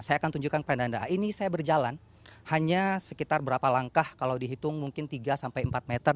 saya akan tunjukkan kepada anda ini saya berjalan hanya sekitar berapa langkah kalau dihitung mungkin tiga sampai empat meter